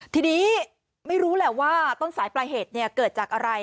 ทีนี้ไม่รู้แหละว่าต้นสายปลายเหตุเกิดจากอะไร